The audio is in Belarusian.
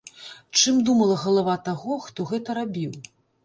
Чым думала галава таго, хто гэта рабіў?